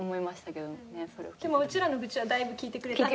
でもうちらの愚痴はだいぶ聞いてくれて。